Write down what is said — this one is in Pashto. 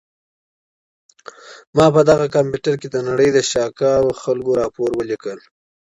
ما په دغه کمپیوټر کي د نړۍ د شاکرو خلکو راپور ولیکلی.